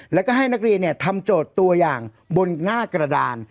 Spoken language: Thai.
แล้วก็ให้นักเรียนทำโจทย์ตัวอย่างบนหน้ากระดาน